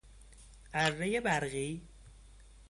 ارهی برقی